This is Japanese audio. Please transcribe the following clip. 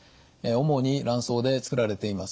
主に卵巣でつくられています。